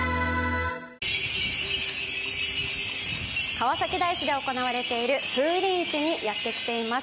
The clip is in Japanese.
川崎大師で行われている風鈴市にやってきています。